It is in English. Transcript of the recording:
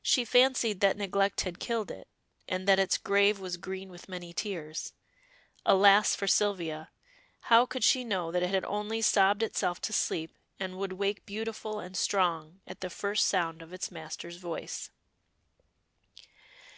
She fancied that neglect had killed it, and that its grave was green with many tears. Alas for Sylvia! how could she know that it had only sobbed itself to sleep, and would wake beautiful and strong at the first sound of its master's voice.